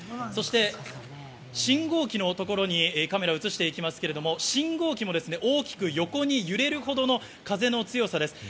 信号機のところにカメラを映していきますと、信号機も大きく横に揺れるほどの風の強さです。